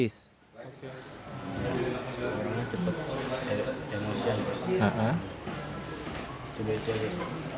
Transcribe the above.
ini cepat emosian